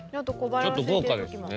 ちょっと豪華ですしね。